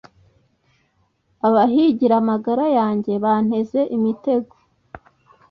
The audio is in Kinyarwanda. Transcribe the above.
Abahigira amagara yanjye banteze imitego